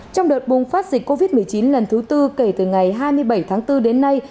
trong đợt bùng phát dịch covid một mươi chín lần thứ tư kể từ ngày hai mươi bảy tháng bốn đến nay